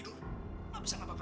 mas jangan mas